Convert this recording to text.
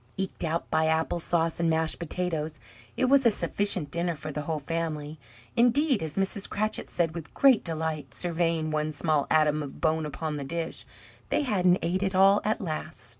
Eked out by apple sauce and mashed potatoes, it was a sufficient dinner for the whole family; indeed, as Mrs. Cratchit said with great delight (surveying one small atom of a bone upon the dish), they hadn't ate it all at last!